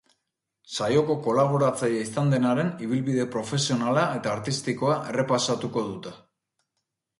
Saioko kolaboratzaile izan denaren ibilbide profesionala eta artistikoa errepasatuko dute.